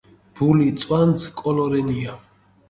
ბული წვანც კოლო რენია